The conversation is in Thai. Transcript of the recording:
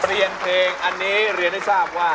เรียนเพลงอันนี้เรียนให้ทราบว่า